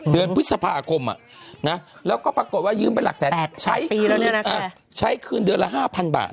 เดือนพฤษภาคมแล้วก็ปรากฏว่ายืมไปหลักแสนใช้คืนเดือนละ๕๐๐บาท